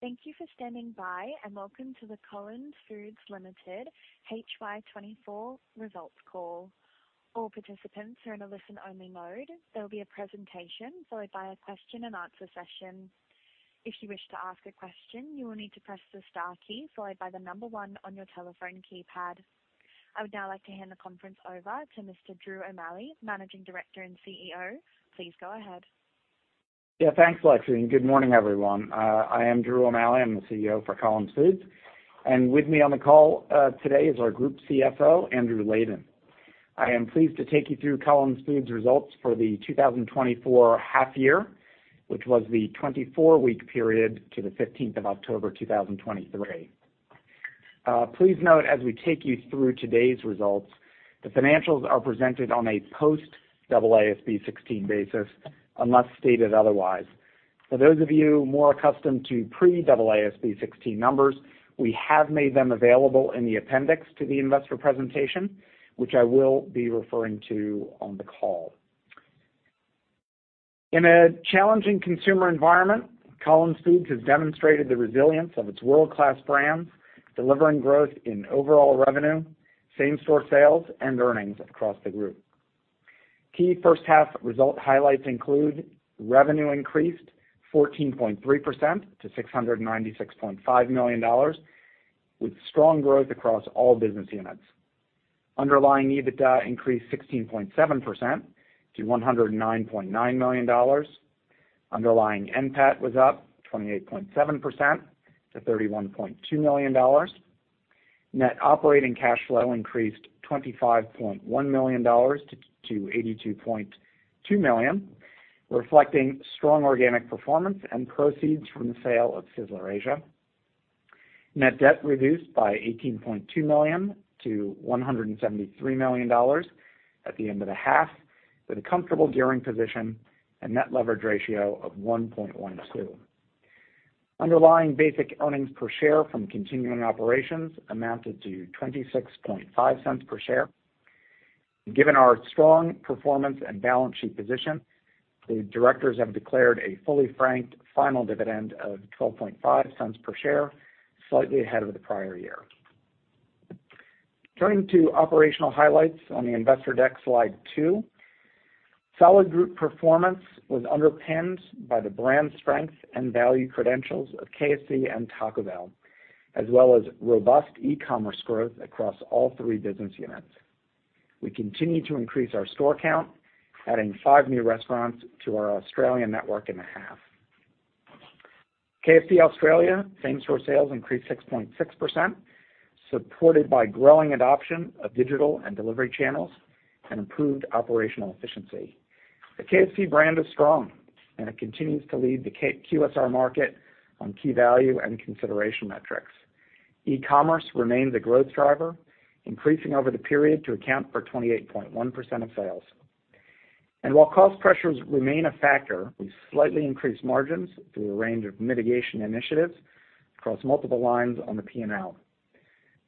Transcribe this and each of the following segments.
Thank you for standing by, and welcome to the Collins Foods Limited HY 2024 results call. All participants are in a listen-only mode. There will be a presentation, followed by a question-and-answer session. If you wish to ask a question, you will need to press the star key followed by the number one on your telephone keypad. I would now like to hand the conference over to Mr. Drew O’Malley, Managing Director and CEO. Please go ahead. Yeah, thanks, Lexi, and good morning, everyone. I am Drew O'Malley. I'm the CEO for Collins Foods, and with me on the call, today is our Group CFO, Andrew Leyden. I am pleased to take you through Collins Foods' results for the 2024 half year, which was the 24-week period to the 15th of October 2023. Please note, as we take you through today's results, the financials are presented on a post-AASB 16 basis, unless stated otherwise. For those of you more accustomed to pre-AASB 16 numbers, we have made them available in the appendix to the investor presentation, which I will be referring to on the call. In a challenging consumer environment, Collins Foods has demonstrated the resilience of its world-class brands, delivering growth in overall revenue, same-store sales, and earnings across the group. Key first half result highlights include: revenue increased 14.3% to $696.5 million, with strong growth across all business units. Underlying EBITDA increased 16.7% to $109.9 million. Underlying NPAT was up 28.7% to $31.2 million. Net operating cash flow increased $25.1 million to $82.2 million, reflecting strong organic performance and proceeds from the sale of Sizzler Asia. Net debt reduced by $18.2 million to $173 million at the end of the half, with a comfortable gearing position and net leverage ratio of 1.12. Underlying basic earnings per share from continuing operations amounted to $0.265 per share. Given our strong performance and balance sheet position, the directors have declared a fully franked final dividend of $0.125 per share, slightly ahead of the prior year. Turning to operational highlights on the investor deck, slide two. Solid group performance was underpinned by the brand strength and value credentials of KFC and Taco Bell, as well as robust e-commerce growth across all three business units. We continue to increase our store count, adding five new restaurants to our Australian network in the half. KFC Australia same-store sales increased 6.6%, supported by growing adoption of digital and delivery channels and improved operational efficiency. The KFC brand is strong, and it continues to lead the key QSR market on key value and consideration metrics. E-commerce remains a growth driver, increasing over the period to account for 28.1% of sales. While cost pressures remain a factor, we've slightly increased margins through a range of mitigation initiatives across multiple lines on the P&L.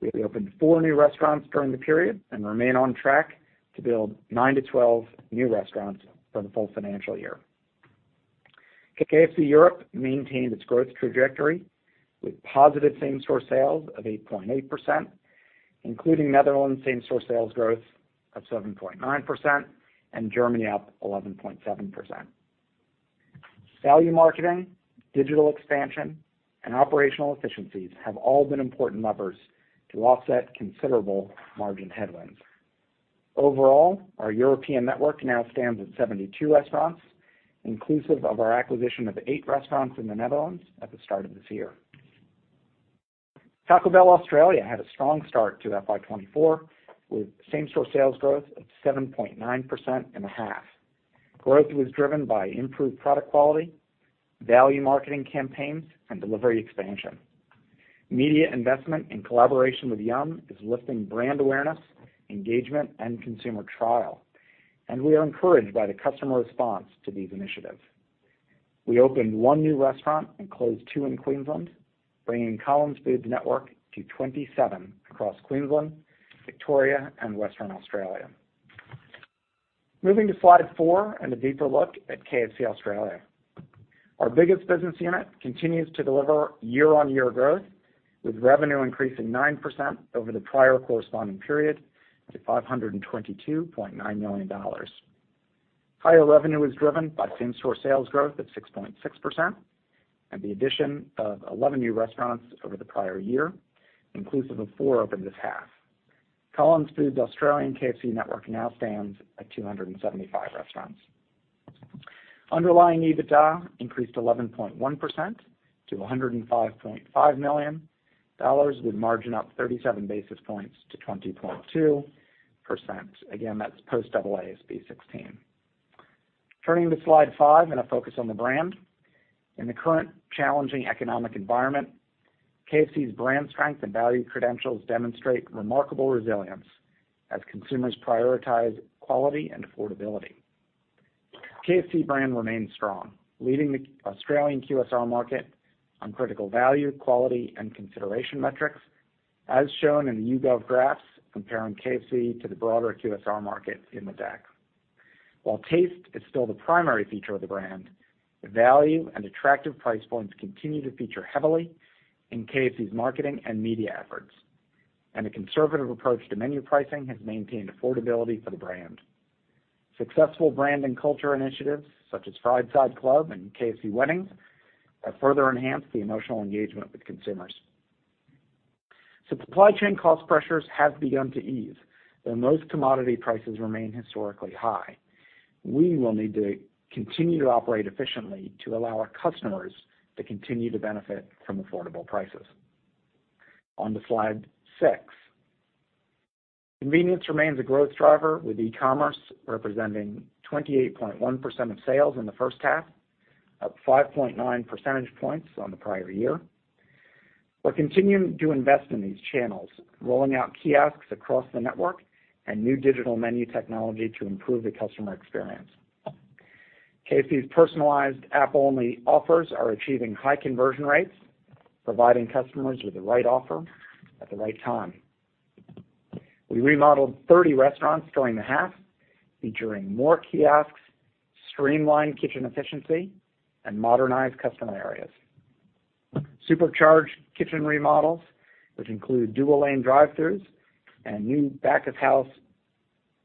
We opened four new restaurants during the period and remain on track to build nine to 12 new restaurants for the full financial year. KFC Europe maintained its growth trajectory with positive same-store sales of 8.8%, including Netherlands same-store sales growth of 7.9% and Germany up 11.7%. Value marketing, digital expansion, and operational efficiencies have all been important levers to offset considerable margin headwinds. Overall, our European network now stands at 72 restaurants, inclusive of our acquisition of eight restaurants in the Netherlands at the start of this year. Taco Bell Australia had a strong start to FY 2024, with same-store sales growth of 7.9% in the half. Growth was driven by improved product quality, value marketing campaigns, and delivery expansion. Media investment in collaboration with Yum! is lifting brand awareness, engagement, and consumer trial, and we are encouraged by the customer response to these initiatives. We opened one new restaurant and closed two in Queensland, bringing Collins Foods network to 27 across Queensland, Victoria, and Western Australia. Moving to slide four and a deeper look at KFC Australia. Our biggest business unit continues to deliver year-over-year growth, with revenue increasing 9% over the prior corresponding period to $522.9 million. Higher revenue was driven by same-store sales growth of 6.6% and the addition of 11 new restaurants over the prior year, inclusive of four opened this half. Collins Foods' Australian KFC network now stands at 275 restaurants. Underlying EBITDA increased 11.1% to $105.5 million, with margin up 37 basis points to 20.2%. Again, that's post AASB 16. Turning to slide five and a focus on the brand. In the current challenging economic environment, KFC's brand strength and value credentials demonstrate remarkable resilience as consumers prioritize quality and affordability. KFC brand remains strong, leading the Australian QSR market on critical value, quality, and consideration metrics, as shown in the YouGov graphs comparing KFC to the broader QSR market in the deck. While taste is still the primary feature of the brand, the value and attractive price points continue to feature heavily in KFC's marketing and media efforts, and a conservative approach to menu pricing has maintained affordability for the brand. Successful brand and culture initiatives, such as Fried Side Club and KFC Weddings, have further enhanced the emotional engagement with consumers. Supply chain cost pressures have begun to ease, though most commodity prices remain historically high. We will need to continue to operate efficiently to allow our customers to continue to benefit from affordable prices. On to Slide six. Convenience remains a growth driver, with e-commerce representing 28.1% of sales in the first half, up 5.9 percentage points on the prior year. We're continuing to invest in these channels, rolling out kiosks across the network and new digital menu technology to improve the customer experience. KFC's personalized app-only offers are achieving high conversion rates, providing customers with the right offer at the right time. We remodeled 30 restaurants during the half, featuring more kiosks, streamlined kitchen efficiency, and modernized customer areas. Supercharged Kitchen Remodels, which include dual-lane drive-throughs and new back-of-house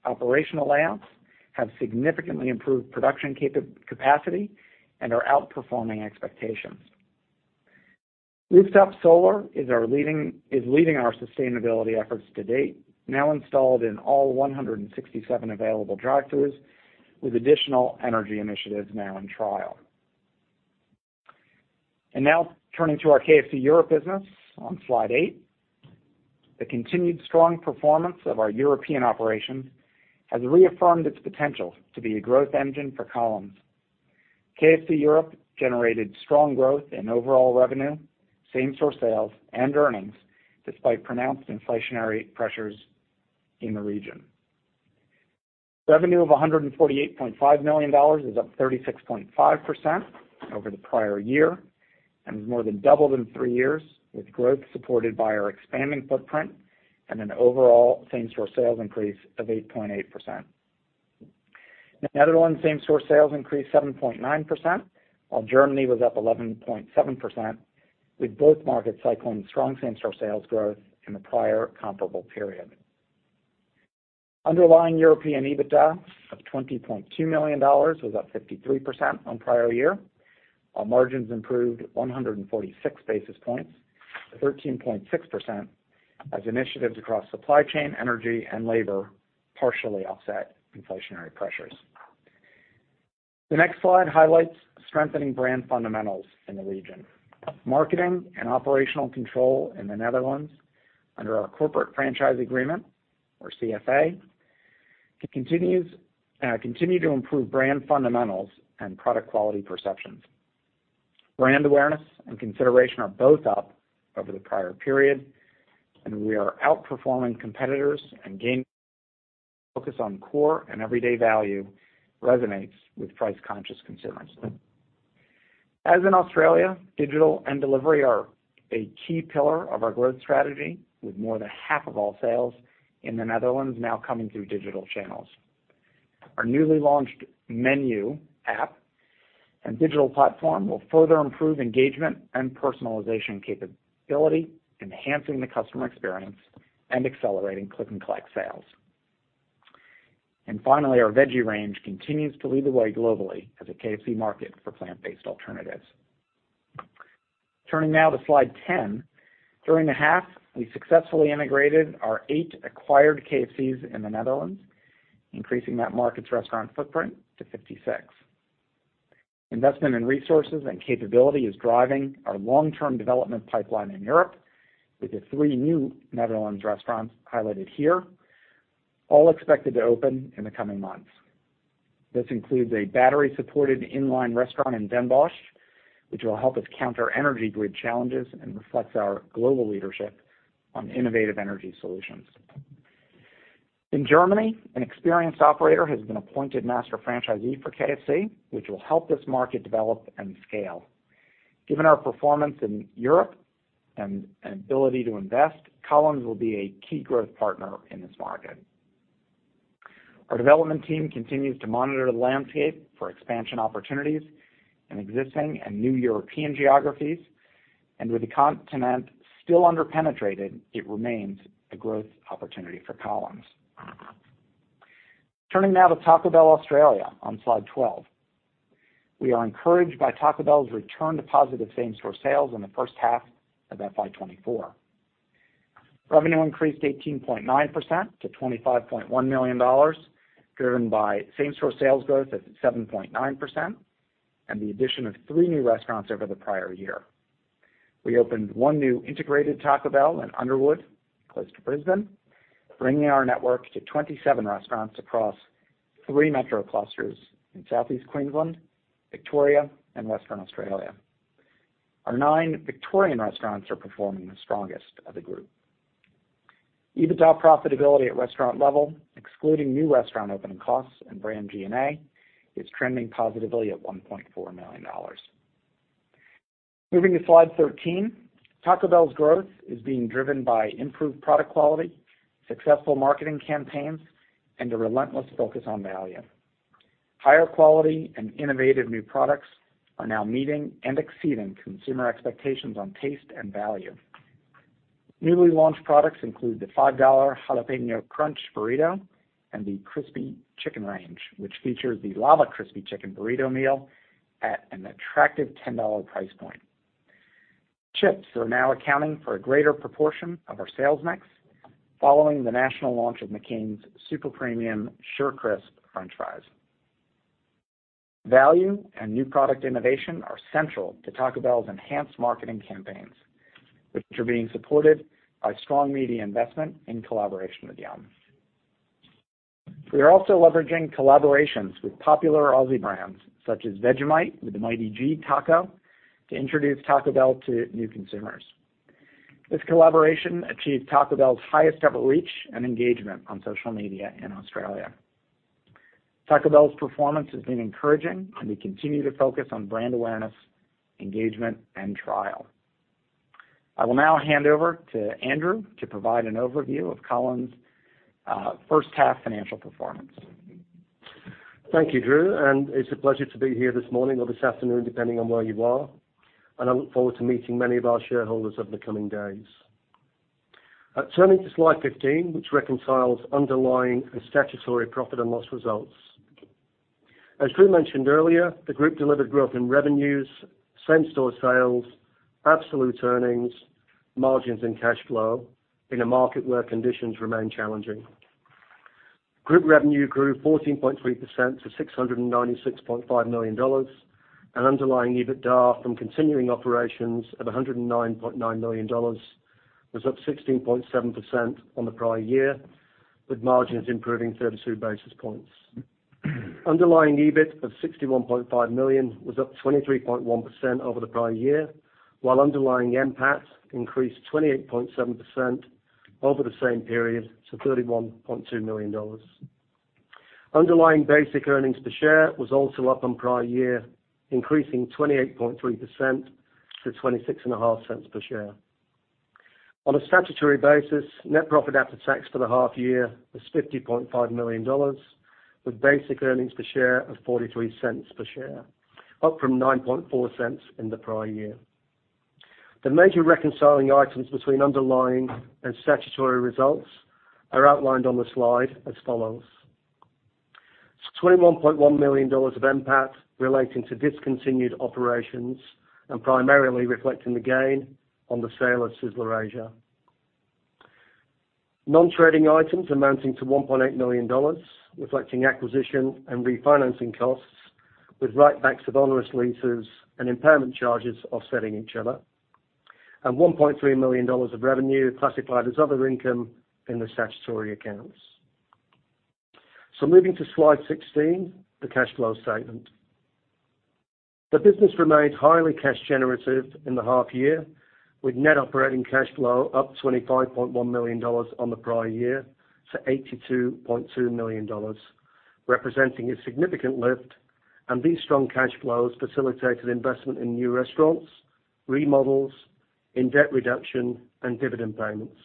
operational layouts, have significantly improved production capacity and are outperforming expectations. Rooftop Solar is leading our sustainability efforts to date, now installed in all 167 available drive-throughs, with additional energy initiatives now in trial. And now, turning to our KFC Europe business on Slide eight. The continued strong performance of our European operation has reaffirmed its potential to be a growth engine for Collins. KFC Europe generated strong growth in overall revenue, same-store sales, and earnings, despite pronounced inflationary pressures in the region. Revenue of $148.5 million is up 36.5% over the prior year and has more than doubled in three years, with growth supported by our expanding footprint and an overall same-store sales increase of 8.8%. Netherlands same-store sales increased 7.9%, while Germany was up 11.7%, with both markets cycling strong same-store sales growth in the prior comparable period. Underlying European EBITDA of $20.2 million was up 53% on prior year, while margins improved 146 basis points to 13.6%, as initiatives across supply chain, energy, and labor partially offset inflationary pressures. The next slide highlights strengthening brand fundamentals in the region. Marketing and operational control in the Netherlands under our corporate franchise agreement, or CFA, continues, continue to improve brand fundamentals and product quality perceptions. Brand awareness and consideration are both up over the prior period, and we are outperforming competitors and gaining focus on core and everyday value resonates with price-conscious consumers. As in Australia, digital and delivery are a key pillar of our growth strategy, with more than half of all sales in the Netherlands now coming through digital channels. Our newly launched menu, app, and digital platform will further improve engagement and personalization capability, enhancing the customer experience and accelerating click-and-collect sales. And finally, our veggie range continues to lead the way globally as a KFC market for plant-based alternatives. Turning now to Slide 10. During the half, we successfully integrated our eight acquired KFCs in the Netherlands, increasing that market's restaurant footprint to 56. Investment in resources and capability is driving our long-term development pipeline in Europe, with the three new Netherlands restaurants highlighted here, all expected to open in the coming months. This includes a battery-supported in-line restaurant in Den Bosch, which will help us counter energy grid challenges and reflects our global leadership on innovative energy solutions. In Germany, an experienced operator has been appointed master franchisee for KFC, which will help this market develop and scale. Given our performance in Europe and ability to invest, Collins will be a key growth partner in this market. Our development team continues to monitor the landscape for expansion opportunities in existing and new European geographies, and with the continent still underpenetrated, it remains a growth opportunity for Collins. Turning now to Taco Bell Australia on Slide 12. We are encouraged by Taco Bell's return to positive same-store sales in the first half of FY 2024. Revenue increased 18.9% to $25.1 million, driven by same-store sales growth at 7.9%, and the addition of three new restaurants over the prior year. We opened one new integrated Taco Bell in Underwood, close to Brisbane, bringing our network to 27 restaurants across three metro clusters in Southeast Queensland, Victoria, and Western Australia. Our nine Victorian restaurants are performing the strongest of the group. EBITDA profitability at restaurant level, excluding new restaurant opening costs and brand G&A, is trending positively at $1.4 million. Moving to Slide 13, Taco Bell's growth is being driven by improved product quality, successful marketing campaigns, and a relentless focus on value. Higher quality and innovative new products are now meeting and exceeding consumer expectations on taste and value. Newly launched products include the $5 Jalapeno Crunch Burrito and the Crispy Chicken Range, which features the Lava Crispy Chicken Burrito meal at an attractive $10 price point. Chips are now accounting for a greater proportion of our sales mix, following the national launch of McCain's Super Premium SureCrisp French Fries. Value and new product innovation are central to Taco Bell's enhanced marketing campaigns, which are being supported by strong media investment in collaboration with Yum! We are also leveraging collaborations with popular Aussie brands, such as Vegemite with the Mighty G Taco, to introduce Taco Bell to new consumers. This collaboration achieved Taco Bell's highest ever reach and engagement on social media in Australia. Taco Bell's performance has been encouraging, and we continue to focus on brand awareness, engagement, and trial. I will now hand over to Andrew to provide an overview of Collins first half financial performance. Thank you, Drew, and it's a pleasure to be here this morning or this afternoon, depending on where you are, and I look forward to meeting many of our shareholders over the coming days. Turning to Slide 15, which reconciles underlying and statutory profit and loss results. As Drew mentioned earlier, the group delivered growth in revenues, same-store sales, absolute earnings, margins, and cash flow in a market where conditions remain challenging. Group revenue grew 14.3% to $696.5 million, and underlying EBITDA from continuing operations of $109.9 million was up 16.7% on the prior year, with margins improving 32 basis points. Underlying EBIT of $61.5 million was up 23.1% over the prior year, while underlying NPAT increased 28.7% over the same period to $31.2 million. Underlying basic earnings per share was also up on prior year, increasing 28.3% to $0.265 per share. On a statutory basis, net profit after tax for the half year was $50.5 million, with basic earnings per share of $0.43 per share, up from $0.094 in the prior year. The major reconciling items between underlying and statutory results are outlined on the slide as follows: $21.1 million of NPAT relating to discontinued operations and primarily reflecting the gain on the sale of Sizzler Asia. Non-trading items amounting to $1.8 million, reflecting acquisition and refinancing costs, with write-backs of onerous leases and impairment charges offsetting each other, and $1.3 million of revenue classified as other income in the statutory accounts. So moving to Slide 16, the cash flow statement. The business remained highly cash generative in the half year, with net operating cash flow up $25.1 million on the prior year to $82.2 million, representing a significant lift, and these strong cash flows facilitated investment in new restaurants, remodels, in debt reduction, and dividend payments.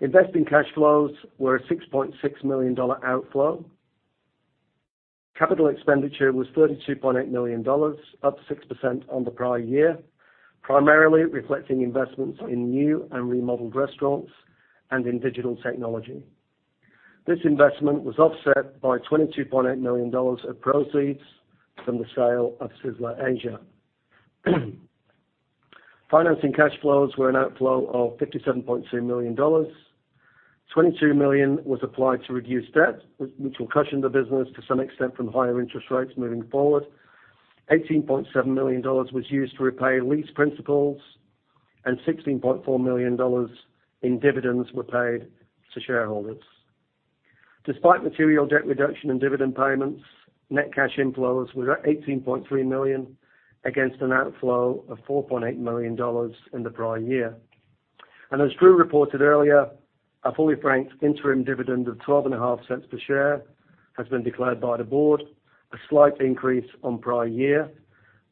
Investing cash flows were a $6.6 million dollar outflow. Capital expenditure was $32.8 million, up 6% on the prior year, primarily reflecting investments in new and remodeled restaurants and in digital technology. This investment was offset by $22.8 million of proceeds from the sale of Sizzler Asia. Financing cash flows were an outflow of $57.2 million. $22 million was applied to reduce debt, which will cushion the business to some extent from higher interest rates moving forward. $18.7 million was used to repay lease principals, and $16.4 million in dividends were paid to shareholders. Despite material debt reduction and dividend payments, net cash inflows were at $18.3 million, against an outflow of $4.8 million in the prior year. As Drew reported earlier, a fully franked interim dividend of $0.125 per share has been declared by the board, a slight increase on prior year,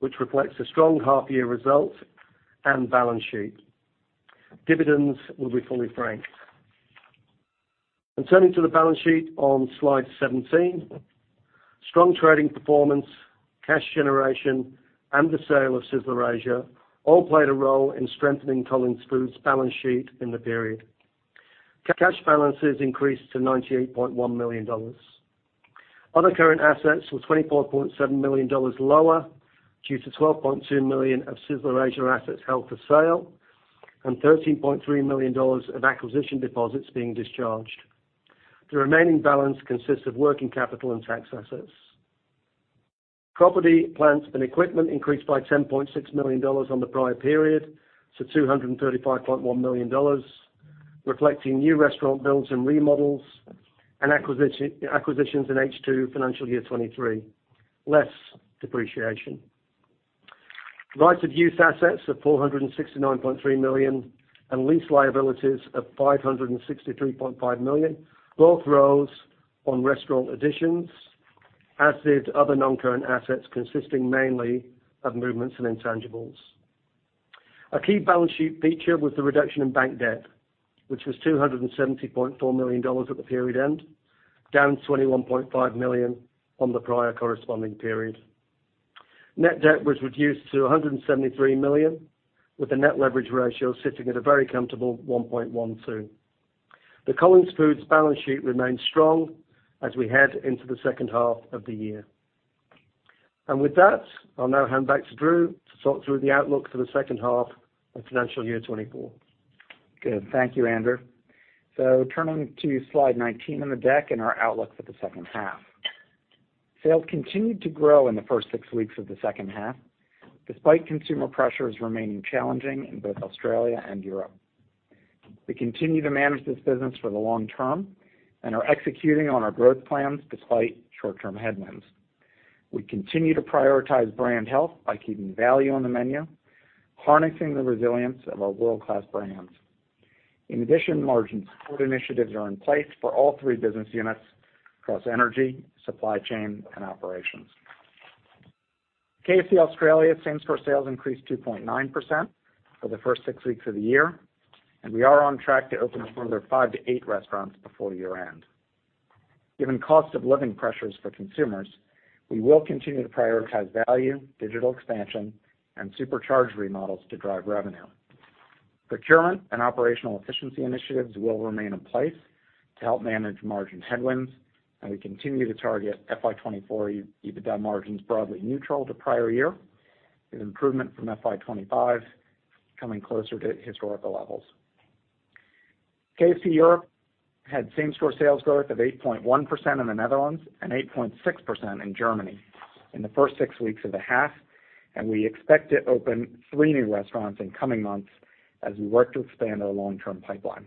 which reflects a strong half year result and balance sheet. Dividends will be fully franked. Turning to the balance sheet on Slide 17, strong trading performance, cash generation, and the sale of Sizzler Asia all played a role in strengthening Collins Foods' balance sheet in the period. Cash balances increased to $98.1 million. Other current assets were $24.7 million lower due to $12.2 million of Sizzler Asia assets held for sale and $13.3 million of acquisition deposits being discharged. The remaining balance consists of working capital and tax assets. Property, plant, and equipment increased by $ 10.6 million on the prior period to $235.1 million, reflecting new restaurant builds and remodels and acquisitions in H2 financial year 2023, less depreciation. Right-of-Use Assets of $469.3 million, and lease liabilities of $563.5 million, both rose on restaurant additions, as did other non-current assets, consisting mainly of movements in intangibles. A key balance sheet feature was the reduction in bank debt, which was $270.4 million at the period end, down $21.5 million on the prior corresponding period. Net debt was reduced to $173 million, with the net leverage ratio sitting at a very comfortable 1.12. The Collins Foods balance sheet remains strong as we head into the second half of the year. And with that, I'll now hand back to Drew to talk through the outlook for the second half of financial year 2024. Good. Thank you, Andrew. Turning to slide 19 on the deck and our outlook for the second half. Sales continued to grow in the first six weeks of the second half, despite consumer pressures remaining challenging in both Australia and Europe. We continue to manage this business for the long term and are executing on our growth plans despite short-term headwinds. We continue to prioritize brand health by keeping value on the menu, harnessing the resilience of our world-class brands. In addition, margin support initiatives are in place for all three business units across energy, supply chain, and operations. KFC Australia same-store sales increased 2.9% for the first six weeks of the year, and we are on track to open another five to eight restaurants before year-end. Given cost of living pressures for consumers, we will continue to prioritize value, digital expansion, and supercharge remodels to drive revenue. Procurement and operational efficiency initiatives will remain in place to help manage margin headwinds, and we continue to target FY 2024 EBITDA margins broadly neutral to prior year, with improvement from FY 2025 coming closer to historical levels. KFC Europe had same-store sales growth of 8.1% in the Netherlands and 8.6% in Germany in the first six weeks of the half, and we expect to open three new restaurants in coming months as we work to expand our long-term pipeline.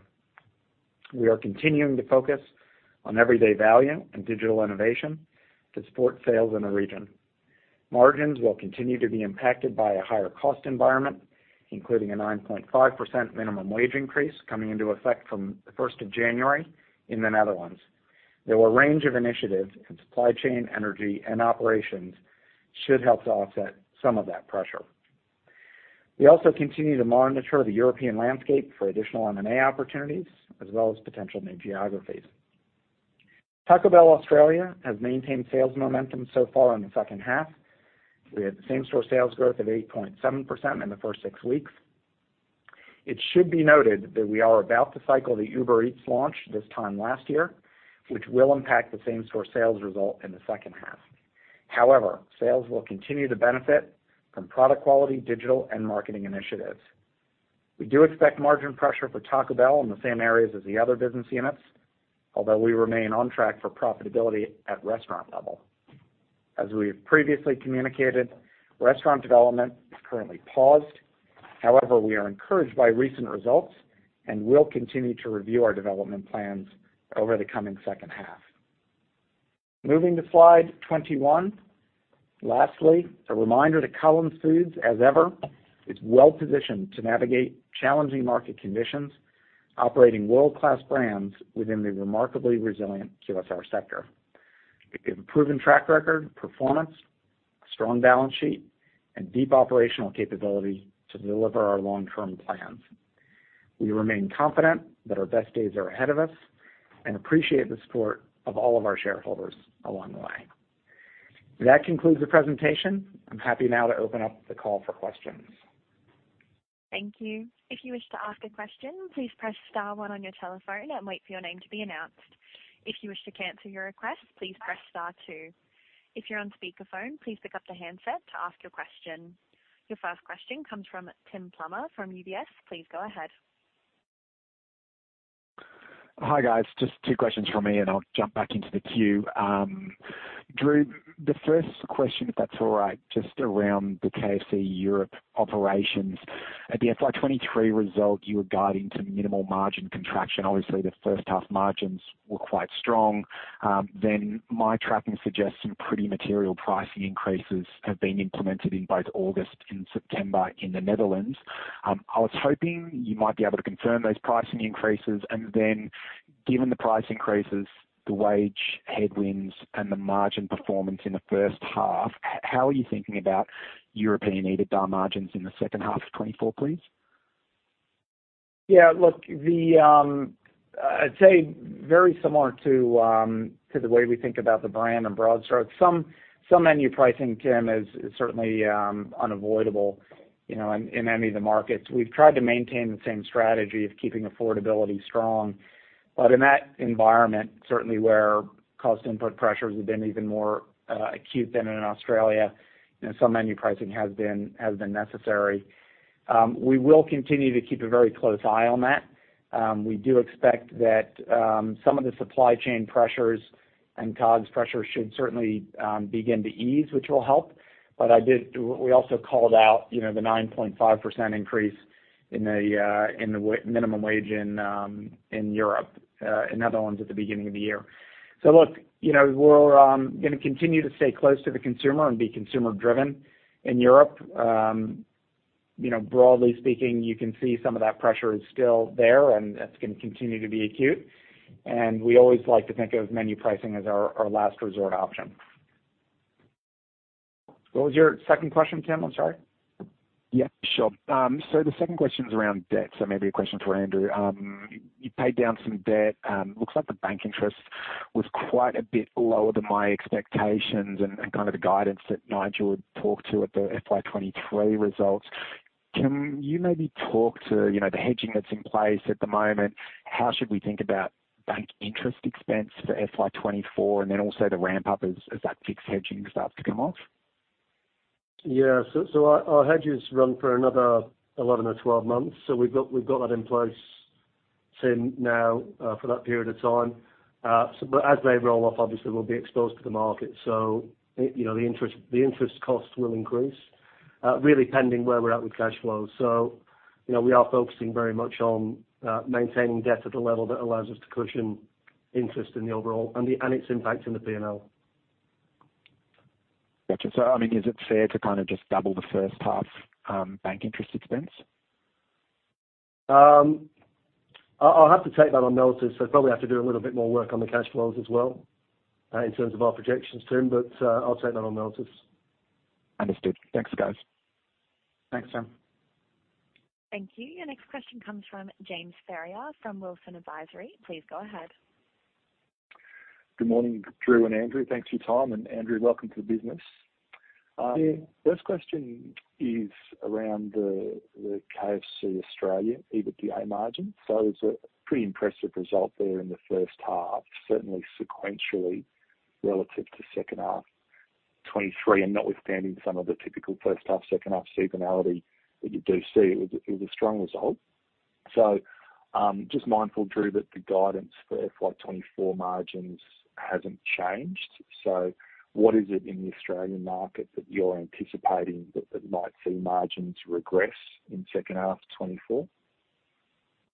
We are continuing to focus on everyday value and digital innovation to support sales in the region. Margins will continue to be impacted by a higher cost environment, including a 9.5% minimum wage increase coming into effect from the first of January in the Netherlands. There were a range of initiatives, and supply chain, energy, and operations should help to offset some of that pressure. We also continue to monitor the European landscape for additional M&A opportunities, as well as potential new geographies. Taco Bell Australia has maintained sales momentum so far in the second half, with same-store sales growth of 8.7% in the first six weeks. It should be noted that we are about to cycle the Uber Eats launch this time last year, which will impact the same-store sales result in the second half. However, sales will continue to benefit from product quality, digital, and marketing initiatives. We do expect margin pressure for Taco Bell in the same areas as the other business units, although we remain on track for profitability at restaurant level. As we have previously communicated, restaurant development is currently paused. However, we are encouraged by recent results and will continue to review our development plans over the coming second half. Moving to slide 21. Lastly, a reminder that Collins Foods, as ever, is well positioned to navigate challenging market conditions, operating world-class brands within the remarkably resilient QSR sector. We have a proven track record of performance, a strong balance sheet, and deep operational capability to deliver our long-term plans. We remain confident that our best days are ahead of us and appreciate the support of all of our shareholders along the way. That concludes the presentation. I'm happy now to open up the call for questions. Thank you. If you wish to ask a question, please press star one on your telephone and wait for your name to be announced. If you wish to cancel your request, please press star two. If you're on speakerphone, please pick up the handset to ask your question. Your first question comes from Tim Plumbe from UBS. Please go ahead. Hi, guys. Just two questions from me, and I'll jump back into the queue. Drew, the first question, if that's all right, just around the KFC Europe operations. At the FY 2023 result, you were guiding to minimal margin contraction. Obviously, the first half margins were quite strong. Then my tracking suggests some pretty material pricing increases have been implemented in both August and September in the Netherlands. I was hoping you might be able to confirm those pricing increases. And then, given the price increases, the wage headwinds, and the margin performance in the first half, how are you thinking about European EBITDA margins in the second half of 2024, please? Yeah, look, I'd say very similar to the way we think about the brand and broad strokes. Some menu pricing, Tim, is certainly unavoidable, you know, in any of the markets. We've tried to maintain the same strategy of keeping affordability strong. But in that environment, certainly where cost input pressures have been even more acute than in Australia, you know, some menu pricing has been necessary. We will continue to keep a very close eye on that. We do expect that some of the supply chain pressures and COGS pressures should certainly begin to ease, which will help. But we also called out, you know, the 9.5% increase in the minimum wage in Europe, in Netherlands at the beginning of the year. So look, you know, we're gonna continue to stay close to the consumer and be consumer-driven in Europe. You know, broadly speaking, you can see some of that pressure is still there, and it's going to continue to be acute. And we always like to think of menu pricing as our last resort option. What was your second question, Tim? I'm sorry. Yeah, sure. So the second question is around debt, so maybe a question for Andrew. You paid down some debt. Looks like the bank interest was quite a bit lower than my expectations and kind of the guidance that Nigel had talked to at the FY 2023 results. Can you maybe talk to, you know, the hedging that's in place at the moment? How should we think about bank interest expense for FY 2024, and then also the ramp up as that fixed hedging starts to come off? Yeah. So our hedges run for another 11 or 12 months. So we've got that in place till now for that period of time. So but as they roll off, obviously, we'll be exposed to the market. So, you know, the interest costs will increase really pending where we're at with cash flows. So, you know, we are focusing very much on maintaining debt at a level that allows us to cushion interest in the overall and its impact in the P&L. Got you. So, I mean, is it fair to kind of just double the first half bank interest expense? I'll have to take that on notice. So probably have to do a little bit more work on the cash flows as well, in terms of our projections, Tim, but I'll take that on notice. Understood. Thanks, guys. Thanks, Tim. Thank you. Your next question comes from James Ferrier from Wilsons Advisory. Please go ahead. Good morning, Drew and Andrew. Thanks for your time, and Andrew, welcome to the business. First question is around the KFC Australia EBITDA margin. So it's a pretty impressive result there in the first half, certainly sequentially relative to second half 2023, and notwithstanding some of the typical first half, second half seasonality that you do see, it was a strong result. So, just mindful, Drew, that the guidance for FY 2024 margins hasn't changed. So what is it in the Australian market that you're anticipating that might see margins regress in second half of 2024?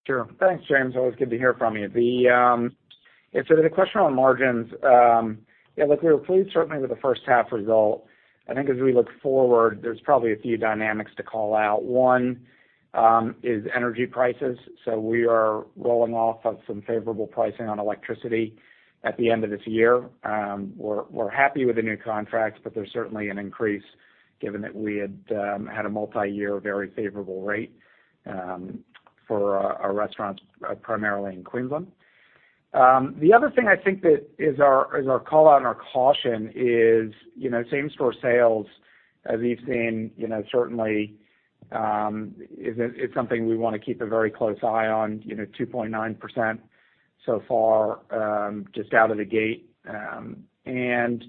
Sure. Thanks, James. Always good to hear from you. Yeah, so the question on margins, yeah, look, we were pleased, certainly with the first half result. I think as we look forward, there's probably a few dynamics to call out. One is energy prices. So we are rolling off of some favorable pricing on electricity at the end of this year. We're happy with the new contracts, but there's certainly an increase given that we had a multiyear very favorable rate for our restaurants primarily in Queensland. The other thing I think that is our call out and our caution is, you know, same store sales, as we've seen, you know, certainly, is something we want to keep a very close eye on, you know, 2.9% so far, just out of the gate. And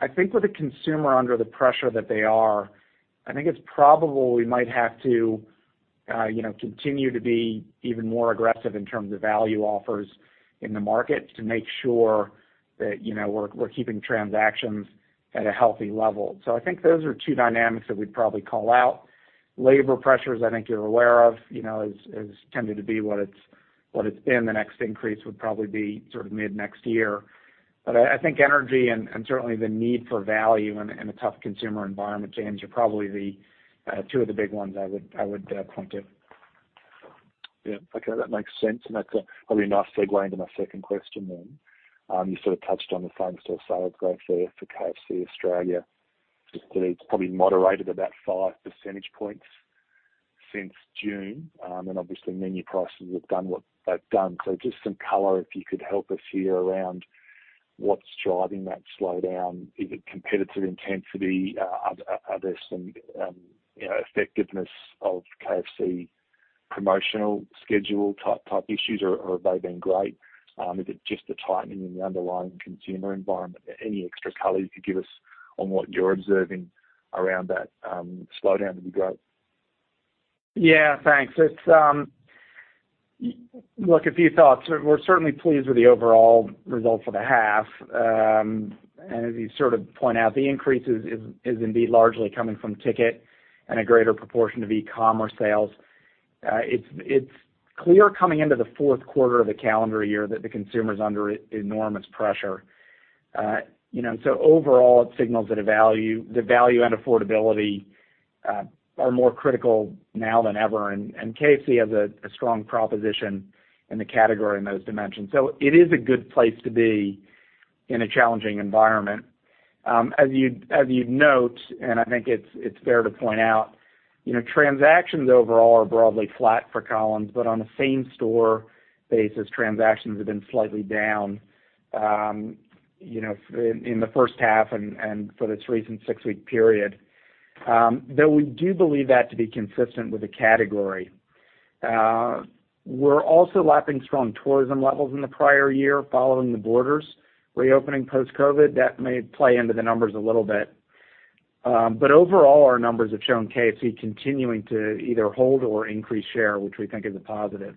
I think with the consumer under the pressure that they are, I think it's probable we might have to, you know, continue to be even more aggressive in terms of value offers in the market to make sure that, you know, we're keeping transactions at a healthy level. So I think those are two dynamics that we'd probably call out. Labor pressures, I think you're aware of, you know, is tended to be what it's been. The next increase would probably be sort of mid-next year. But I think energy and certainly the need for value in a tough consumer environment, James, are probably the two of the big ones I would point to. Yeah, okay, that makes sense. That's probably a nice segue into my second question then. You sort of touched on the same-store sales growth there for KFC Australia, just that it's probably moderated about 5 percentage points since June. And obviously, menu prices have done what they've done. So just some color, if you could help us here around what's driving that slowdown. Is it competitive intensity? Are there some, you know, effectiveness of KFC promotional schedule type issues, or have they been great? Is it just a tightening in the underlying consumer environment? Any extra color you could give us on what you're observing around that slowdown in the growth? Yeah, thanks. It's look, a few thoughts. We're certainly pleased with the overall results for the half. As you sort of point out, the increase is indeed largely coming from ticket and a greater proportion of e-commerce sales. It's clear coming into the fourth quarter of the calendar year that the consumer is under enormous pressure. You know, so overall, it signals that a value, the value and affordability are more critical now than ever, and KFC has a strong proposition in the category in those dimensions. So it is a good place to be in a challenging environment. As you'd note, and I think it's fair to point out, you know, transactions overall are broadly flat for Collins, but on a same-store basis, transactions have been slightly down, you know, in the first half and for this recent six-week period. Though we do believe that to be consistent with the category. We're also lapping strong tourism levels in the prior year, following the borders reopening post-COVID. That may play into the numbers a little bit. But overall, our numbers have shown KFC continuing to either hold or increase share, which we think is a positive.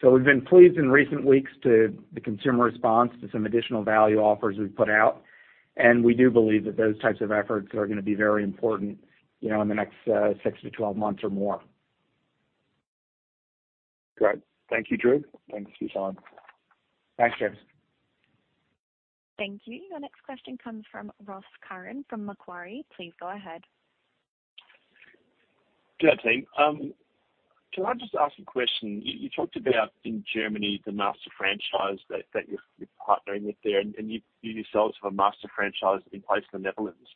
So we've been pleased in recent weeks to the consumer response to some additional value offers we've put out, and we do believe that those types of efforts are going to be very important, you know, in the next six to 12 months or more. Great. Thank you, Drew. Thanks, Suzanne. Thanks, James. Thank you. Your next question comes from Ross Curran from Macquarie. Please go ahead. Good day, team. Can I just ask a question? You talked about in Germany the master franchise that you're partnering with there, and you yourselves have a master franchise in place in the Netherlands.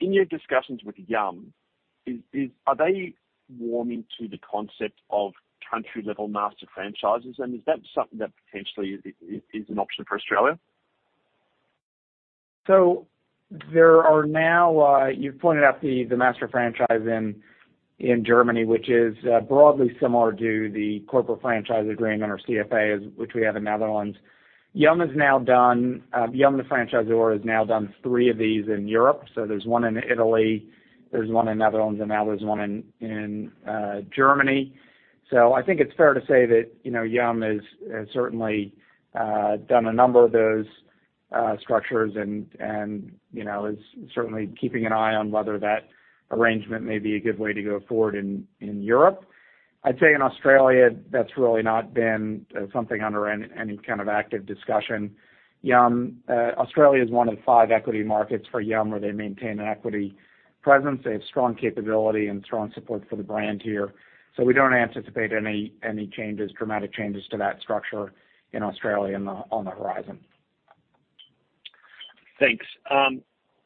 In your discussions with Yum! Are they warming to the concept of country-level master franchises, and is that something that potentially is an option for Australia? So there are now, you've pointed out the master franchise in Germany, which is broadly similar to the corporate franchise agreement on our CFA, as which we have in Netherlands. Yum! the franchisor has now done three of these in Europe. So there's one in Italy, there's one in Netherlands, and now there's one in Germany. So I think it's fair to say that, you know, Yum! has certainly done a number of those structures and, you know, is certainly keeping an eye on whether that arrangement may be a good way to go forward in Europe. I'd say in Australia, that's really not been something under any kind of active discussion. Yum! Australia is one of the five equity markets for Yum!, where they maintain an equity presence. They have strong capability and strong support for the brand here, so we don't anticipate any dramatic changes to that structure in Australia on the horizon. Thanks.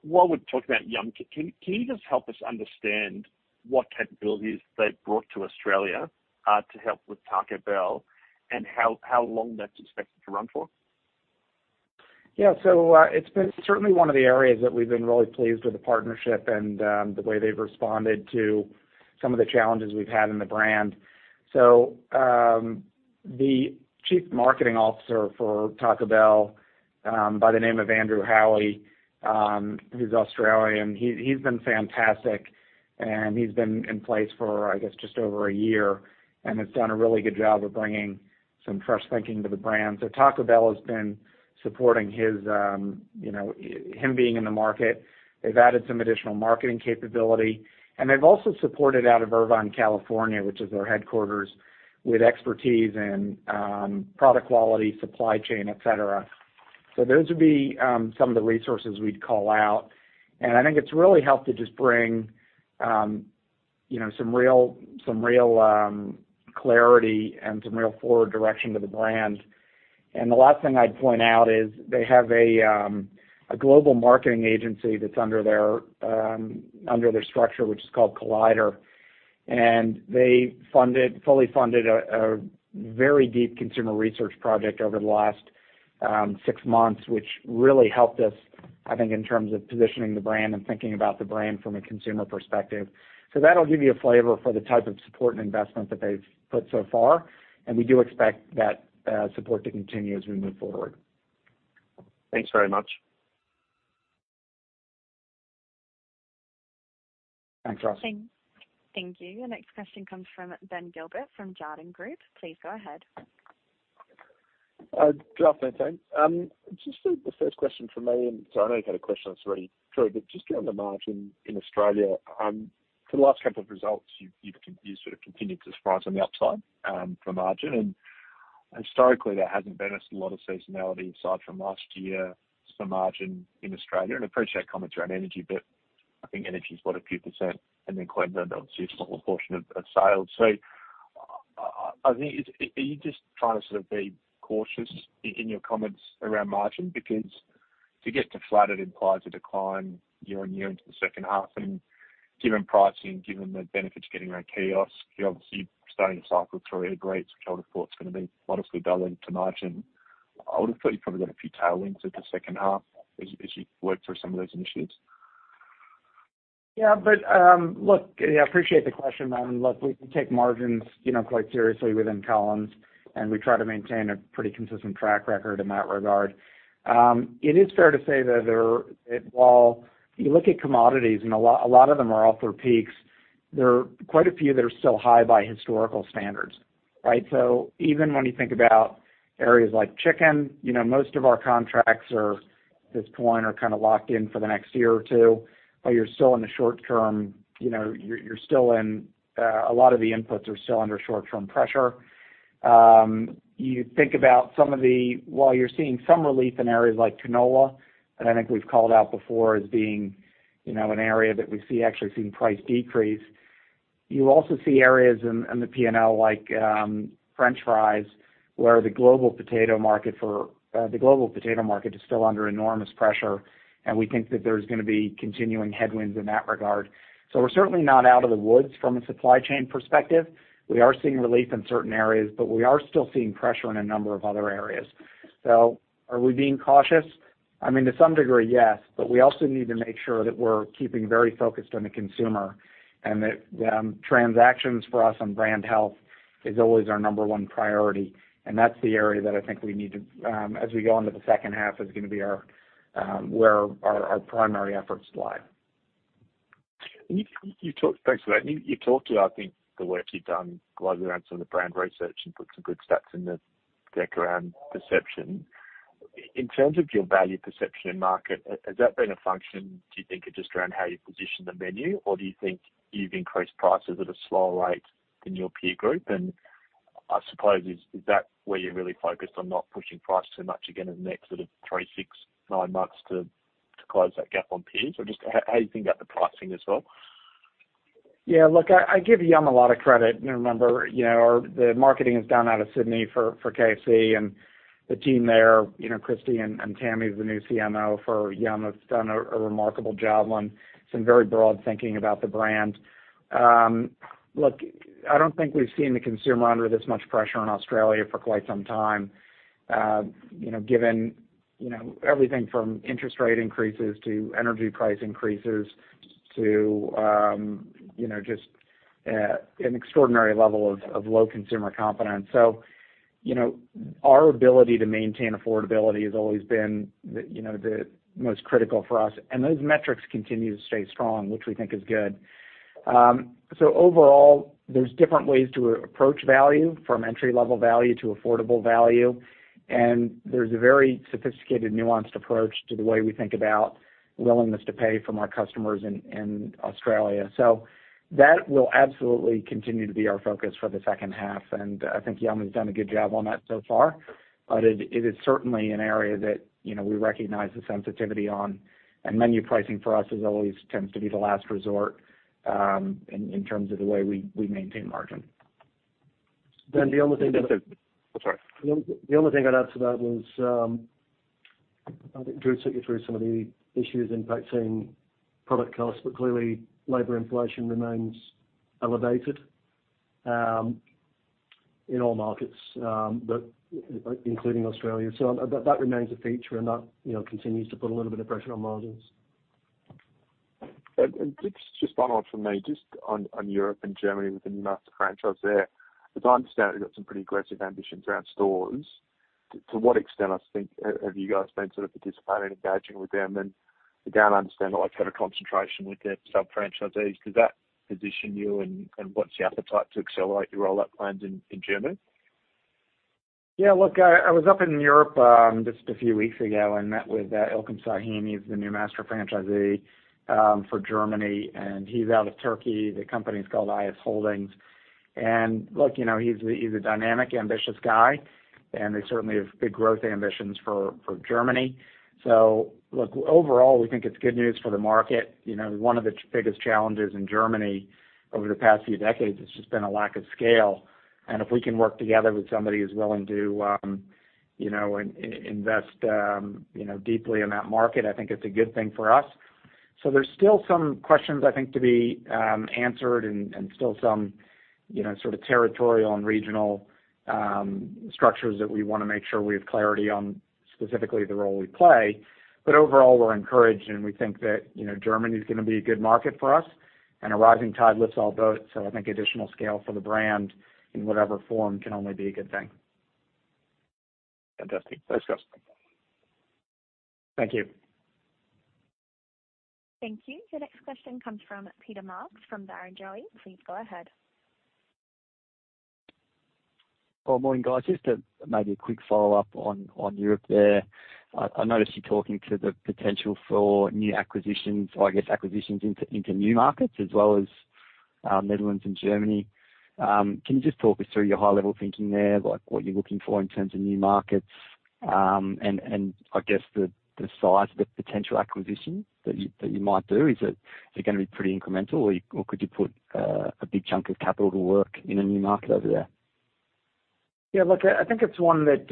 While we're talking about Yum!, can you just help us understand what capabilities they've brought to Australia to help with Taco Bell, and how long that's expected to run for? Yeah. So, it's been certainly one of the areas that we've been really pleased with the partnership and, the way they've responded to some of the challenges we've had in the brand. So, the Chief Marketing Officer for Taco Bell, by the name of Andrew Howie, he's Australian. He, he's been fantastic, and he's been in place for, I guess, just over a year and has done a really good job of bringing some fresh thinking to the brand. So Taco Bell has been supporting his, you know, him being in the market. They've added some additional marketing capability, and they've also supported out of Irvine, California, which is our headquarters, with expertise in, product quality, supply chain, et cetera. So those would be, some of the resources we'd call out, and I think it's really helped to just bring, you know, some real, some real, clarity and some real forward direction to the brand. And the last thing I'd point out is they have a, a global marketing agency that's under their, under their structure, which is called Collider. And they funded, fully funded a, a very deep consumer research project over the last, six months, which really helped us, I think, in terms of positioning the brand and thinking about the brand from a consumer perspective. So that'll give you a flavor for the type of support and investment that they've put so far, and we do expect that, support to continue as we move forward. Thanks very much. Thanks, Ross. Thank you. Your next question comes from Ben Gilbert from Jarden Group. Please go ahead. Good afternoon, team. Just the first question from me, and so I know you had a question on this already, Drew, but just on the margin in Australia, for the last couple of results, you've sort of continued to surprise on the upside, for margin. And historically, there hasn't been a lot of seasonality aside from last year for margin in Australia. And appreciate comments around energy, but I think energy is what, a few percent, and then Queensland, obviously, a smaller portion of sales. So I think, are you just trying to sort of be cautious in your comments around margin? Because to get to flat, it implies a decline year-on-year into the second half, and given pricing, given the benefits you're getting around kiosk, you're obviously starting to cycle through the rates, which I would have thought it's gonna be modestly dulling to margin. I would have thought you've probably got a few tailwinds in the second half as you, as you work through some of those initiatives. Yeah, but, look, yeah, I appreciate the question, Ben. Look, we take margins, you know, quite seriously within Collins, and we try to maintain a pretty consistent track record in that regard. It is fair to say that while you look at commodities and a lot, a lot of them are off their peaks, there are quite a few that are still high by historical standards, right? So even when you think about areas like chicken, you know, most of our contracts, at this point, are kind of locked in for the next year or two, but you're still in the short term. You know, you're still in a lot of the inputs are still under short-term pressure. You think about some of the... While you're seeing some relief in areas like canola, and I think we've called out before as being, you know, an area that we see actually seeing price decrease, you also see areas in the P&L, like, French fries, where the global potato market is still under enormous pressure, and we think that there's gonna be continuing headwinds in that regard. So we're certainly not out of the woods from a supply chain perspective. We are seeing relief in certain areas, but we are still seeing pressure in a number of other areas. So are we being cautious? I mean, to some degree, yes, but we also need to make sure that we're keeping very focused on the consumer and that, transactions for us on brand health is always our number one priority. That's the area that I think we need to, as we go into the second half, is gonna be where our primary efforts lie. Thanks for that. You talked about, I think, the work you've done largely around some of the brand research and put some good stats in the deck around perception. In terms of your value perception in market, has that been a function, do you think, of just around how you position the menu? Or do you think you've increased prices at a slower rate than your peer group? And I suppose, is that where you're really focused on not pushing price too much again in the next sort of three, six, nine months to close that gap on peers? Or just how do you think about the pricing as well? Yeah, look, I give Yum! a lot of credit. And remember, you know, the marketing is done out of Sydney for KFC and the team there, you know, Christine and Tami, the new CMO for Yum!, has done a remarkable job on some very broad thinking about the brand. Look, I don't think we've seen the consumer under this much pressure in Australia for quite some time. You know, given you know everything from interest rate increases to energy price increases to you know just an extraordinary level of low consumer confidence. So, you know, our ability to maintain affordability has always been the you know the most critical for us, and those metrics continue to stay strong, which we think is good. So overall, there's different ways to approach value, from entry-level value to affordable value, and there's a very sophisticated, nuanced approach to the way we think about willingness to pay from our customers in Australia. So that will absolutely continue to be our focus for the second half, and I think Yum!'s done a good job on that so far. But it is certainly an area that, you know, we recognize the sensitivity on, and menu pricing for us as always tends to be the last resort, in terms of the way we maintain margin. Then the only thing that- I'm sorry. The only thing I'd add to that is, I think Drew took you through some of the issues impacting product costs, but clearly labor inflation remains elevated in all markets, but including Australia. So that remains a feature, and that, you know, continues to put a little bit of pressure on margins. And just one more from me, just on Europe and Germany with the new master franchise there. As I understand, you've got some pretty aggressive ambitions around stores. To what extent, I think, have you guys been sort of participating and engaging with them? And again, I understand, like, sort of concentration with their sub-franchisees. Does that position you, and what's the appetite to accelerate your rollout plans in Germany? Yeah, look, I, I was up in Europe, just a few weeks ago and met with, İlkem Şahin. He's the new master franchisee, for Germany, and he's out of Turkey. The company's called IS Holdings. And look, you know, he's a, he's a dynamic, ambitious guy, and they certainly have big growth ambitions for, for Germany. So look, overall, we think it's good news for the market. You know, one of the biggest challenges in Germany over the past few decades has just been a lack of scale, and if we can work together with somebody who's willing to, you know, invest, you know, deeply in that market, I think it's a good thing for us. So there's still some questions, I think, to be answered and still some, you know, sort of territorial and regional structures that we wanna make sure we have clarity on, specifically the role we play. But overall, we're encouraged, and we think that, you know, Germany is gonna be a good market for us, and a rising tide lifts all boats, so I think additional scale for the brand, in whatever form, can only be a good thing. Fantastic. Thanks, guys. Thank you. Thank you. The next question comes from Peter Marks from Barrenjoey. Please go ahead. Well, morning, guys. Just a quick follow-up on Europe there. I noticed you talking about the potential for new acquisitions, or I guess, acquisitions into new markets as well as Netherlands and Germany. Can you just talk us through your high-level thinking there, like what you're looking for in terms of new markets? And I guess the size of the potential acquisition that you might do. Is it gonna be pretty incremental, or could you put a big chunk of capital to work in a new market over there? Yeah, look, I think it's one that,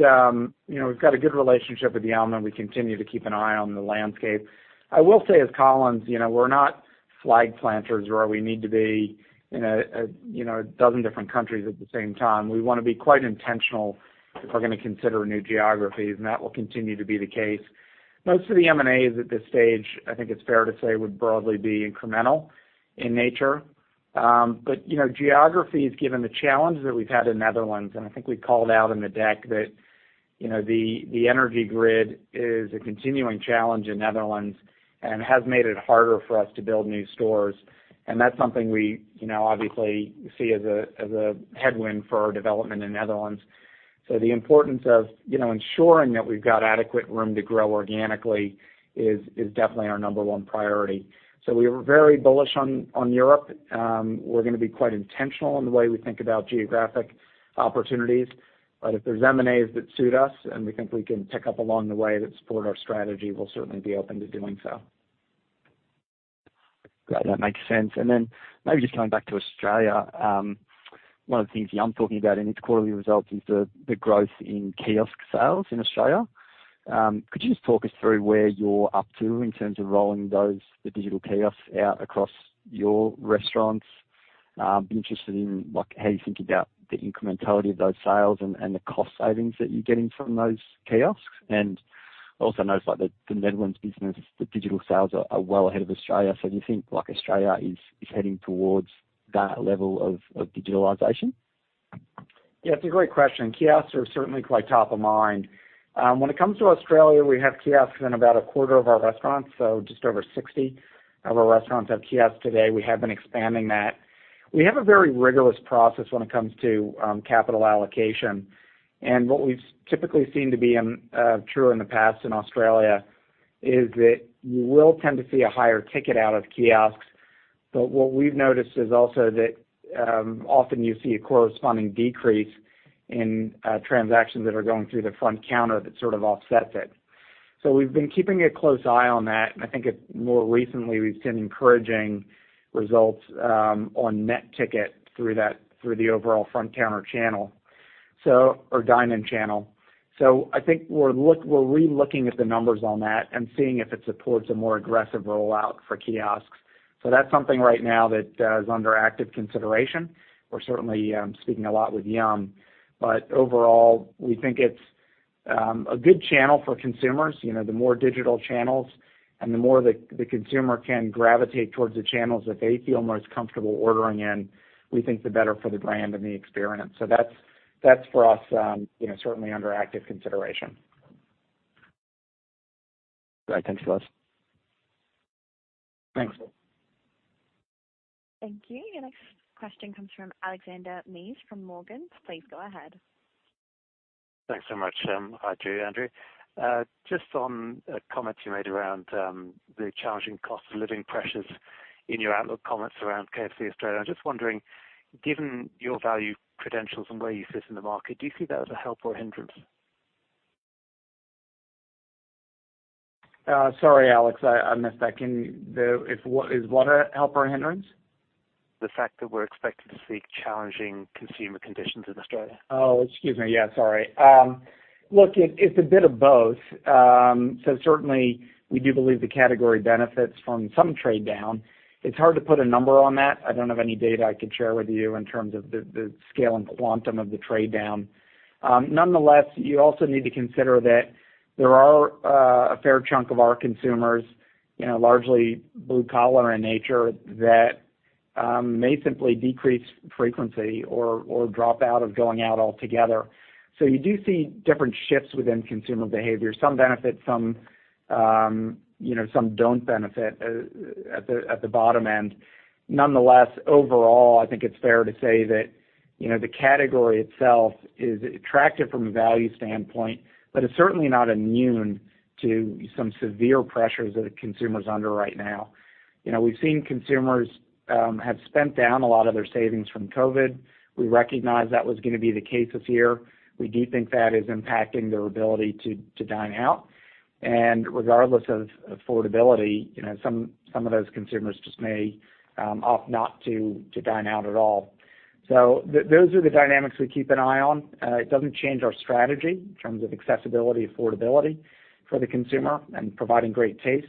you know, we've got a good relationship with Yum!, and we continue to keep an eye on the landscape. I will say, as Collins, you know, we're not flag planters, where we need to be in a dozen different countries at the same time. We wanna be quite intentional if we're gonna consider new geographies, and that will continue to be the case. Most of the M&As at this stage, I think it's fair to say, would broadly be incremental in nature. But, you know, geographies, given the challenge that we've had in Netherlands, and I think we called out in the deck that, you know, the energy grid is a continuing challenge in Netherlands and has made it harder for us to build new stores. And that's something we, you know, obviously see as a, as a headwind for our development in Netherlands. So the importance of, you know, ensuring that we've got adequate room to grow organically is, is definitely our number one priority. So we are very bullish on, on Europe. We're gonna be quite intentional in the way we think about geographic opportunities. But if there's M&As that suit us and we think we can pick up along the way that support our strategy, we'll certainly be open to doing so. Great, that makes sense. And then maybe just coming back to Australia, one of the things Yum!'s talking about in its quarterly results is the growth in kiosk sales in Australia. Could you just talk us through where you're up to in terms of rolling those digital kiosks out across your restaurants? Be interested in, like, how you think about the incrementality of those sales and the cost savings that you're getting from those kiosks. And I also noticed, like, the Netherlands business, the digital sales are well ahead of Australia. So do you think, like, Australia is heading towards that level of digitalization? Yeah, it's a great question. Kiosks are certainly quite top of mind. When it comes to Australia, we have kiosks in about a quarter of our restaurants, so just over 60 of our restaurants have kiosks today. We have been expanding that. We have a very rigorous process when it comes to capital allocation. And what we've typically seen to be true in the past in Australia is that you will tend to see a higher ticket out of kiosks. But what we've noticed is also that often you see a corresponding decrease in transactions that are going through the front counter that sort of offsets it. So we've been keeping a close eye on that, and I think more recently we've seen encouraging results on net ticket through the overall front counter channel, so or dine-in channel. So I think we're relooking at the numbers on that and seeing if it supports a more aggressive rollout for kiosks. So that's something right now that is under active consideration. We're certainly speaking a lot with Yum, but overall, we think it's a good channel for consumers. You know, the more digital channels and the more the consumer can gravitate towards the channels that they feel most comfortable ordering in, we think the better for the brand and the experience. So that's for us, you know, certainly under active consideration. Right. Thanks a lot. Thanks. Thank you. Your next question comes from Alexander Mees from Morgans. Please go ahead. Thanks so much, hi, Drew, Andrew. Just on comments you made around the challenging cost of living pressures in your outlook comments around KFC Australia. I'm just wondering, given your value credentials and where you sit in the market, do you see that as a help or a hindrance? Sorry, Alex, I missed that. Can you-- the, is what a help or a hindrance? The fact that we're expected to see challenging consumer conditions in Australia. Oh, excuse me. Yeah, sorry. Look, it, it's a bit of both. So certainly we do believe the category benefits from some trade down. It's hard to put a number on that. I don't have any data I could share with you in terms of the scale and quantum of the trade down. Nonetheless, you also need to consider that there are a fair chunk of our consumers, you know, largely blue collar in nature, that may simply decrease frequency or drop out of going out altogether. So you do see different shifts within consumer behavior. Some benefit, some, you know, some don't benefit at the bottom end. Nonetheless, overall, I think it's fair to say that, you know, the category itself is attractive from a value standpoint, but it's certainly not immune to some severe pressures that a consumer's under right now. You know, we've seen consumers have spent down a lot of their savings from COVID. We recognize that was gonna be the case this year. We do think that is impacting their ability to dine out. And regardless of affordability, you know, some of those consumers just may opt not to dine out at all. So those are the dynamics we keep an eye on. It doesn't change our strategy in terms of accessibility, affordability for the consumer and providing great taste.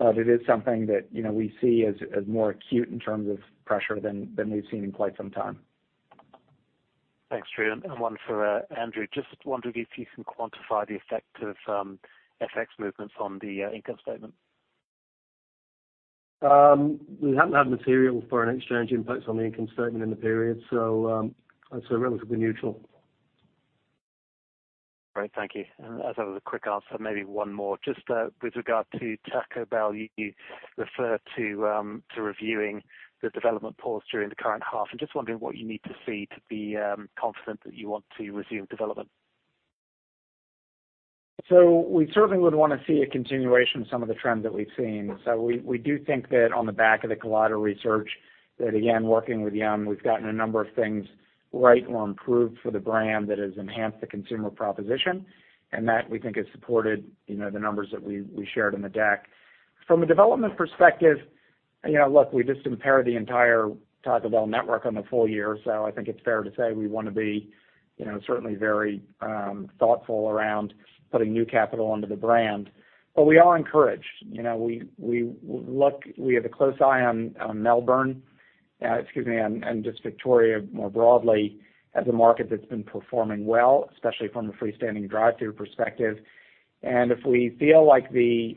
But it is something that, you know, we see as more acute in terms of pressure than we've seen in quite some time. Thanks, Drew, and one for Andrew. Just wondering if you can quantify the effect of FX movements on the income statement? We haven't had material foreign exchange impacts on the income statement in the period, so, so relatively neutral. Great, thank you. As that was a quick answer, maybe one more. Just, with regard to Taco Bell, you referred to reviewing the development pause during the current half. I'm just wondering what you need to see to be confident that you want to resume development? So we certainly would want to see a continuation of some of the trends that we've seen. So we, we do think that on the back of the Collider research, that, again, working with Yum, we've gotten a number of things right or improved for the brand that has enhanced the consumer proposition, and that, we think, has supported, you know, the numbers that we, we shared in the deck. From a development perspective, you know, look, we just impaired the entire Taco Bell network on the full year. So I think it's fair to say we want to be, you know, certainly very thoughtful around putting new capital into the brand. But we are encouraged. You know, we have a close eye on Melbourne and just Victoria more broadly, as a market that's been performing well, especially from a freestanding drive-thru perspective. If we feel like the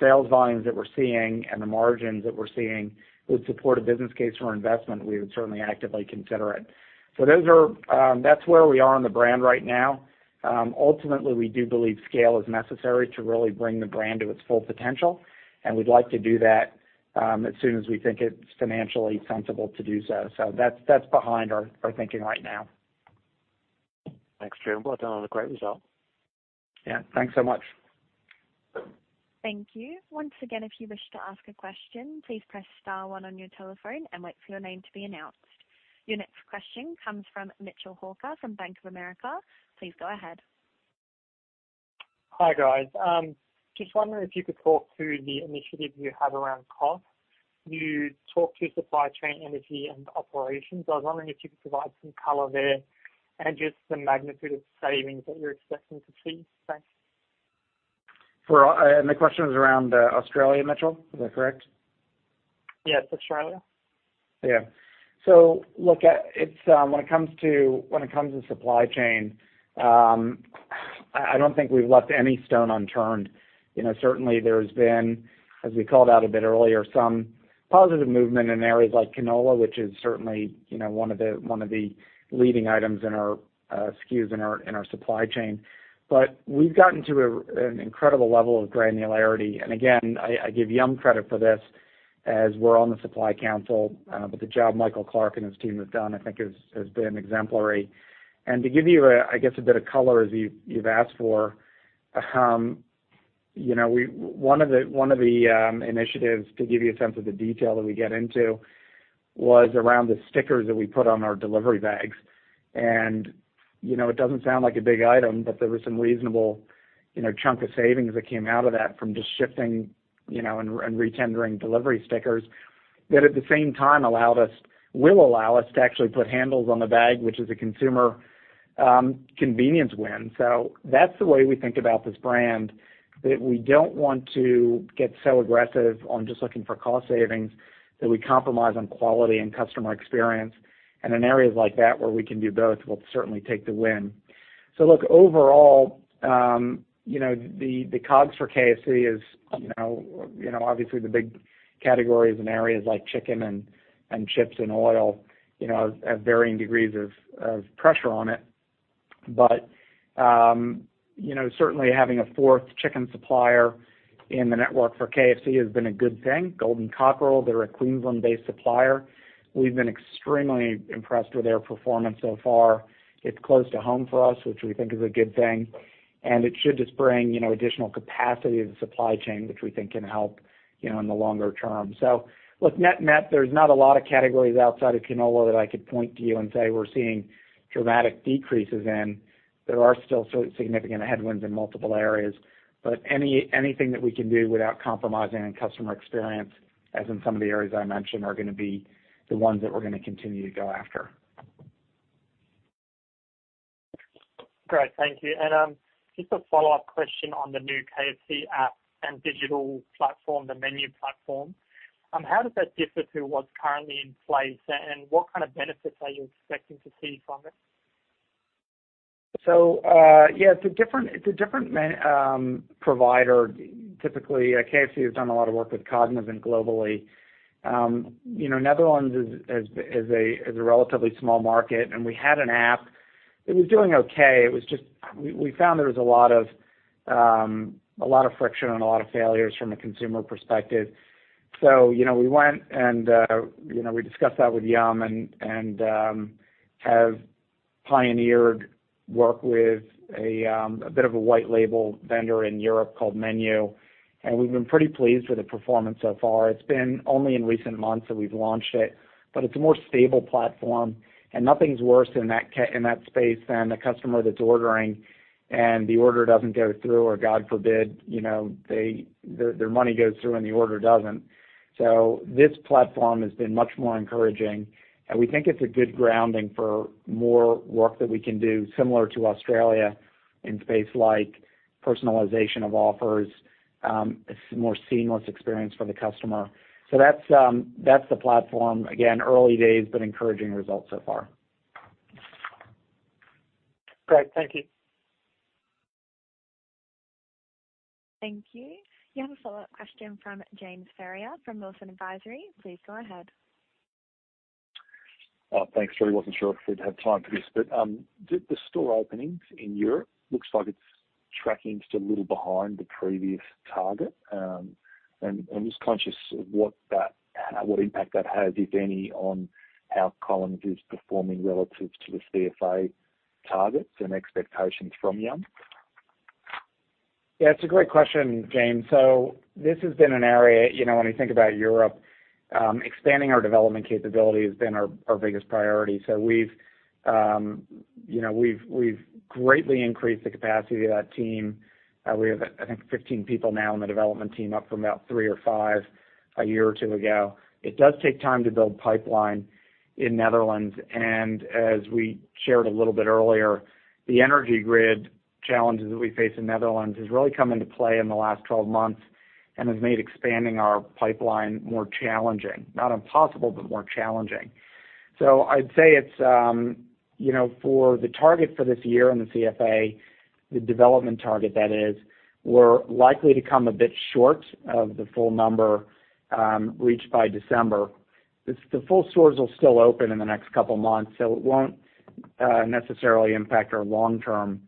sales volumes that we're seeing and the margins that we're seeing would support a business case for investment, we would certainly actively consider it. So that's where we are on the brand right now. Ultimately, we do believe scale is necessary to really bring the brand to its full potential, and we'd like to do that as soon as we think it's financially sensible to do so. So that's behind our thinking right now. Thanks, Drew. Well done on a great result. Yeah. Thanks so much. Thank you. Once again, if you wish to ask a question, please press star one on your telephone and wait for your name to be announced. Your next question comes from Mitchell Hawker from Bank of America. Please go ahead. Hi, guys. Just wondering if you could talk to the initiative you have around cost. You talked to supply chain, energy, and operations. I was wondering if you could provide some color there and just the magnitude of savings that you're expecting to see. Thanks. And the question is around Australia, Mitchell, is that correct? Yes, Australia. Yeah. So look, it's when it comes to supply chain, I don't think we've left any stone unturned. You know, certainly there's been, as we called out a bit earlier, some positive movement in areas like canola, which is certainly, you know, one of the leading items in our SKUs in our supply chain. But we've gotten to an incredible level of granularity, and again, I give Yum credit for this as we're on the supply council. But the job Michael Clark and his team have done, I think, has been exemplary. To give you, I guess, a bit of color, as you've asked for, you know, one of the initiatives, to give you a sense of the detail that we get into, was around the stickers that we put on our delivery bags. You know, it doesn't sound like a big item, but there was some reasonable, you know, chunk of savings that came out of that from just shifting, you know, and retendering delivery stickers, that at the same time allowed us, will allow us to actually put handles on the bag, which is a consumer convenience win. So that's the way we think about this brand, that we don't want to get so aggressive on just looking for cost savings, that we compromise on quality and customer experience. And in areas like that, where we can do both, we'll certainly take the win. So look, overall, you know, the COGS for KFC is, you know, obviously the big categories in areas like chicken and chips and oil, you know, have varying degrees of pressure on it. But, you know, certainly having a fourth chicken supplier in the network for KFC has been a good thing. Golden Cockerel, they're a Queensland-based supplier. We've been extremely impressed with their performance so far. It's close to home for us, which we think is a good thing, and it should just bring, you know, additional capacity to the supply chain, which we think can help, you know, in the longer term. So look, net-net, there's not a lot of categories outside of canola that I could point to you and say we're seeing dramatic decreases in. There are still so significant headwinds in multiple areas, but anything that we can do without compromising on customer experience, as in some of the areas I mentioned, are gonna be the ones that we're gonna continue to go after. Great, thank you. Just a follow-up question on the new KFC app and digital platform, the menu platform. How does that differ to what's currently in place, and what kind of benefits are you expecting to see from it? So, yeah, it's a different menu provider. Typically, KFC has done a lot of work with Cognizant globally. You know, Netherlands is a relatively small market, and we had an app. It was doing okay. It was just we found there was a lot of friction and a lot of failures from a consumer perspective. So, you know, we went and we discussed that with Yum, and have pioneered work with a bit of a white label vendor in Europe called Menu, and we've been pretty pleased with the performance so far. It's been only in recent months that we've launched it, but it's a more stable platform, and nothing's worse in that space than a customer that's ordering, and the order doesn't go through, or God forbid, you know, they, their money goes through and the order doesn't. So this platform has been much more encouraging, and we think it's a good grounding for more work that we can do, similar to Australia, in space, like personalization of offers, a more seamless experience for the customer. So that's the platform. Again, early days, but encouraging results so far. Great. Thank you. Thank you. You have a follow-up question from James Ferrier from Wilsons Advisory. Please go ahead. Thanks, Drew. I wasn't sure if we'd have time for this, but the store openings in Europe looks like it's tracking just a little behind the previous target, and just conscious of what impact that has, if any, on how Collins is performing relative to the CFA targets and expectations from Yum? Yeah, it's a great question, James. So this has been an area, you know, when we think about Europe, expanding our development capability has been our biggest priority. So we've, you know, greatly increased the capacity of that team. We have, I think, 15 people now on the development team, up from about three or five a year or two ago. It does take time to build pipeline in Netherlands, and as we shared a little bit earlier, the energy grid challenges that we face in Netherlands has really come into play in the last 12 months and has made expanding our pipeline more challenging. Not impossible, but more challenging. So I'd say it's, you know, for the target for this year in the CFA, the development target that is, we're likely to come a bit short of the full number, reached by December. The full stores will still open in the next couple of months, so it won't necessarily impact our long-term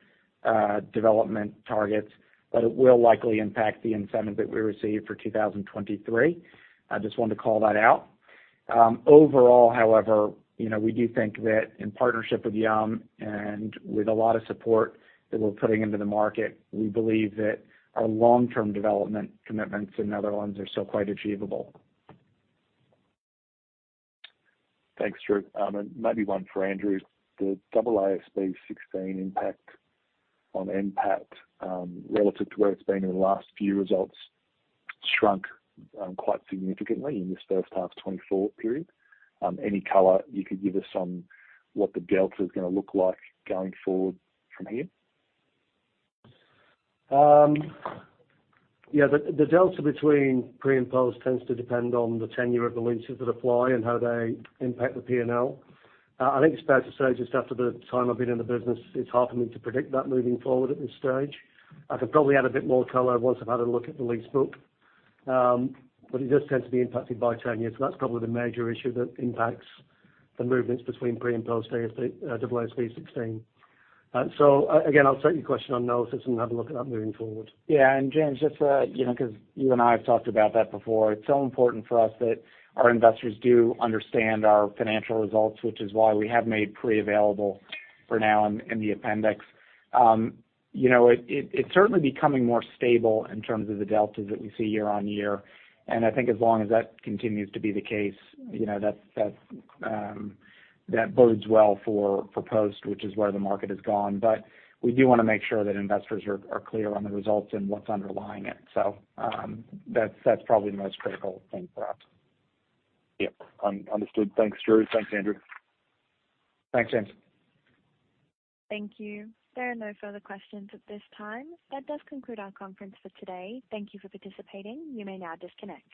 development targets, but it will likely impact the incentive that we receive for 2023. I just wanted to call that out. Overall, however, you know, we do think that in partnership with Yum and with a lot of support that we're putting into the market, we believe that our long-term development commitments in Netherlands are still quite achievable. Thanks, Drew. And maybe one for Andrew. The AASB 16 impact on NPAT, relative to where it's been in the last few results, shrunk quite significantly in this first half of 2024 period. Any color you could give us on what the delta is gonna look like going forward from here? Yeah, the delta between pre and post tends to depend on the tenure of the leases that apply and how they impact the P&L. I think it's fair to say, just after the time I've been in the business, it's hard for me to predict that moving forward at this stage. I could probably add a bit more color once I've had a look at the lease book. But it does tend to be impacted by tenure, so that's probably the major issue that impacts the movements between pre and post AASB 16. So again, I'll take your question on notice and have a look at that moving forward. Yeah, and James, just you know, because you and I have talked about that before, it's so important for us that our investors do understand our financial results, which is why we have made pre available for now in the appendix. You know, it's certainly becoming more stable in terms of the deltas that we see year-on-year. And I think as long as that continues to be the case, you know, that bodes well for post, which is where the market has gone. But we do wanna make sure that investors are clear on the results and what's underlying it. So, that's probably the most critical thing for us. Yep, understood. Thanks, Drew. Thanks, Andrew. Thanks, James. Thank you. There are no further questions at this time. That does conclude our conference for today. Thank you for participating. You may now disconnect.